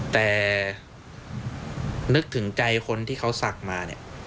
แต่นึกถึงใจคนที่เขาสักมา